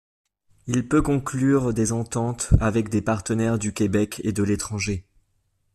Il peut conclure des ententes avec des partenaires du Québec et de l'étranger.